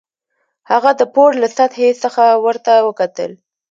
هغه د پوړ له سطحې څخه ورته وکتل